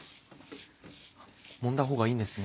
もんだほうがいいんですね。